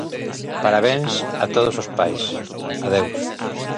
Parabéns a todos os pais. Adeus.